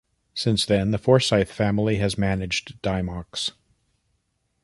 Since then, the Forsyth family has managed Dymocks.